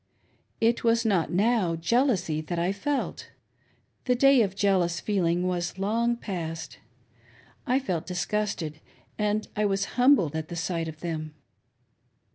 It was not now jealousy that I felt — the day of jealous feeling was long past ;— I felt disgusted, and I was humbled at the sight of them.